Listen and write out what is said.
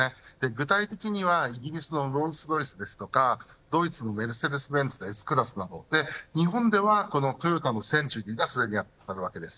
具体的にはイギリスのロールスロイスですとかドイツのメルセデスベンツＳクラスなど日本ではトヨタのセンチュリーがそれに当たるわけです。